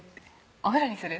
お風呂にする？」